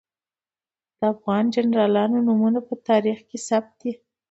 د افغان جنرالانو نومونه په تاریخ کې ثبت دي.